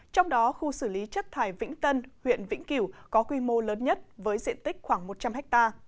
trong đó khu xử lý chất thải vĩnh tân huyện vĩnh kiểu có quy mô lớn nhất với diện tích khoảng một trăm linh ha